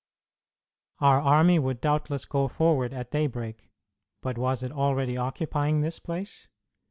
Our army would doubtless go forward at daybreak, but was it already occupying this place?